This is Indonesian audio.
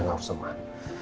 enggak gak usah marah